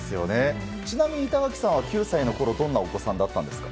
ちなみに、板垣さんは９歳のころどんなお子さんだったんですか？